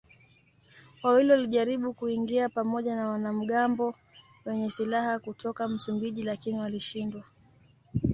Wawili walijaribu kuingia pamoja na wanamgambo wenye silaha kutoka Msumbiji lakini walishindwa.